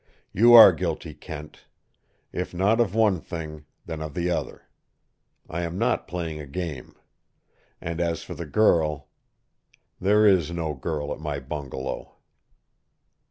You are guilty, Kent. If not of one thing, then of the other. I am not playing a game. And as for the girl there is no girl at my bungalow."